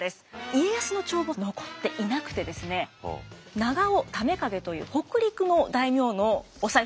家康の帳簿は残っていなくてですね長尾為景という北陸の大名のお財布事情で見ていこうと思います。